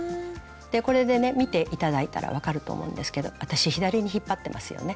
これでね見て頂いたら分かると思うんですけど私左に引っ張ってますよね？